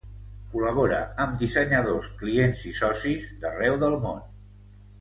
Col·labora amb dissenyadors, clients i socis d'arreu del món.